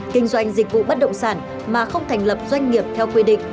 kinh doanh dịch vụ bất động sản mà không thành lập doanh nghiệp theo quy định